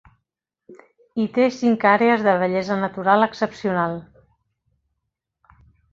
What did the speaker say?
I té cinc àrees de bellesa natural excepcional.